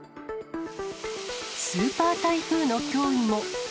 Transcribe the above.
スーパー台風の脅威も。